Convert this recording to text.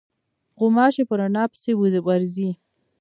غوماشې په رڼا پسې ورځي.